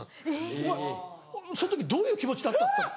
「お前その時どういう気持ちだった？」。